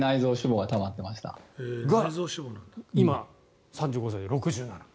が、今３５歳で６７ｋｇ。